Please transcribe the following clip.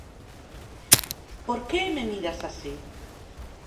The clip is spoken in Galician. ¿Por que me miras así?